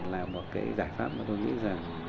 là một cái giải pháp mà tôi nghĩ rằng